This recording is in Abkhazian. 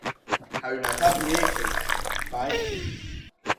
Ҳаҩнаҭа бнеихьеит, бааихьеит.